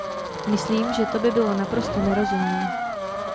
Myslím, že to by bylo naprosto nerozumné.